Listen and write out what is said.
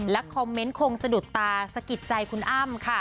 คอมเมนต์คงสะดุดตาสะกิดใจคุณอ้ำค่ะ